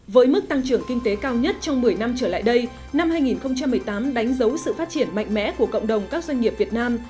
với mức tăng trưởng kinh tế cao nhất trong một mươi năm trở lại đây năm hai nghìn một mươi tám đánh dấu sự phát triển mạnh mẽ của cộng đồng các doanh nghiệp việt nam